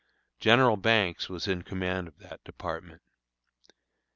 General Banks was in command of that department.